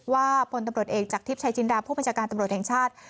พลตำรวจเอกจากทิพย์ชายจินดาผู้บัญชาการตำรวจแห่งชาติ